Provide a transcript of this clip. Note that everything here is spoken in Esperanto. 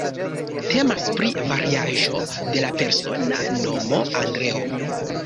Temas pri variaĵo de la persona nomo Andreo.